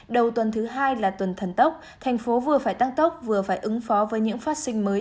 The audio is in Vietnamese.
đầu tuần thứ hai là tuần thần tốc thành phố vừa phải tăng tốc vừa phải ứng phó với những phát sinh mới